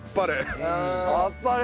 あっぱれ。